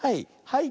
はい。